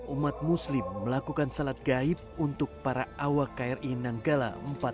umat muslim melakukan salat gaib untuk para awak kri nanggala empat ratus dua